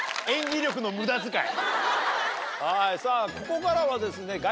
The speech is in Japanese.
さぁここからはですね。